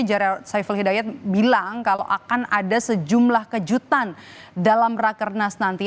jarod saiful hidayat bilang kalau akan ada sejumlah kejutan dalam rakernas nanti